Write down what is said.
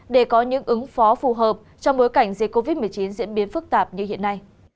để có những ứng phó phù hợp trong bối cảnh dịch covid một mươi chín diễn biến phức tạp như hiện nay